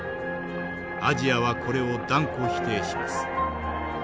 アジアはこれを断固否定します。